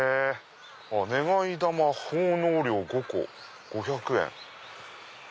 願い玉奉納料５個５００円。